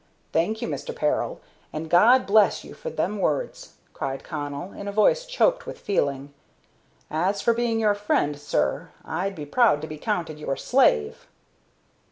"Thank you, Mister Peril, and may God bless you for them words," cried Connell, in a voice choked with feeling. "As for being your friend, sir, I'd be proud to be counted your slave."